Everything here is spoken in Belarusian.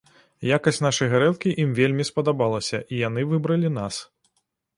Якасць нашай гарэлкі ім вельмі спадабалася і яны выбралі нас.